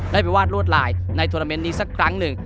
ได้ไปวาดลวดลายในโทรเมนต์นี้สักครั้งหนึ่ง